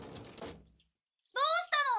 どうしたの？